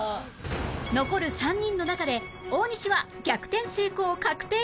残る３人の中で大西は逆転成功確定